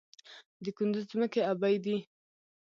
د کندز ځمکې ابي دي